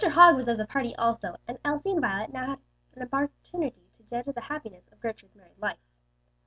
Hogg was of the party also, and Elsie and Violet had now an opportunity to judge of the happiness of Gertrude's married life.